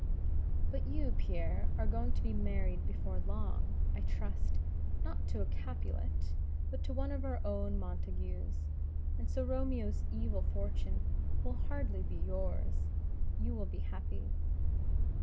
"But you, Pierre, are going to be married before long, I trust, not to a Capulet, but to one of our own Montagues; and so Romeo's evil fortune will hardly be yours. You will be happy."